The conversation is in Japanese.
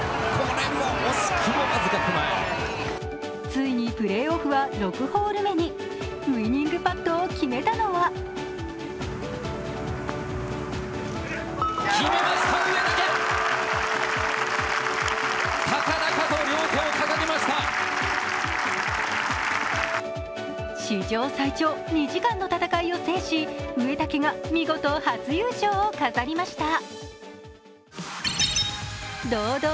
ついにプレーオフは６ホール目にウイニングパットを決めたのは史上最長、２時間の戦いを制し、植竹が見事初優勝を飾りました。